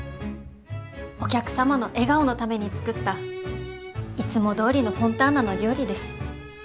お客様の笑顔のために作ったいつもどおりのフォンターナの料理です。